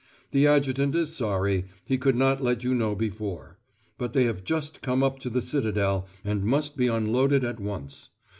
The Adjutant is sorry; he could not let you know before; but they have just come up to the Citadel, and must be unloaded at once.